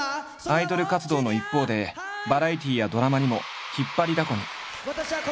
アイドル活動の一方でバラエティーやドラマにも引っ張りだこに。